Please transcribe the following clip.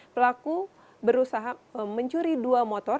pelaku berusaha mencuri dua motor